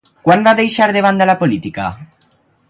Quan va deixar de banda la política?